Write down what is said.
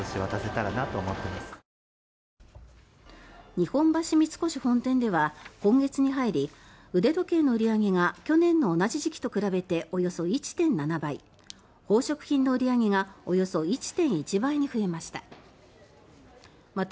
日本橋三越本店では今月に入り腕時計の売り上げが去年の同じ時期と比べておよそ１．７倍宝飾品の売り上げがおよそ１．１倍に増えました。